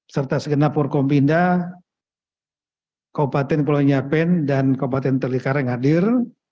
serta segenap forkompinda kabupaten pulau nyapen dan kabupaten tolikara yang hadir